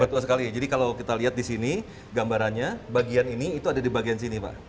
betul sekali jadi kalau kita lihat di sini gambarannya bagian ini itu ada di bagian sini pak